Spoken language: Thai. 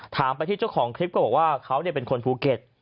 ถามไปที่เจ้าของคลิปก็บอกว่าเขาเป็นคนภูเก็ต